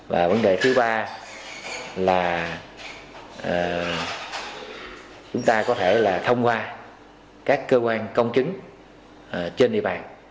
và vấn đề thứ ba là chúng ta có thể là thông qua các cơ quan công chứng trên địa bàn